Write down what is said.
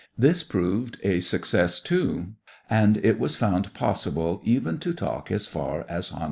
This proved a success, too, and it was found possible even to talk as far as Honolulu.